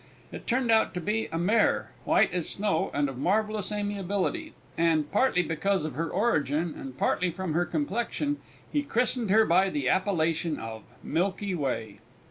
It turned out to be a mare, white as snow and of marvellous amiability; and, partly because of her origin, and partly from her complexion, he christened her by the appellation of Milky Way.